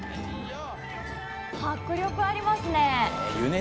迫力ありますね。